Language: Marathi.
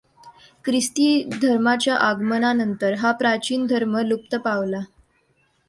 ख्रिस्ती धर्माच्या आगमना नंतर हा प्राचीन धर्म लुप्त पावला.